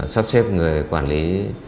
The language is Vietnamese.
sắp xếp người quản lý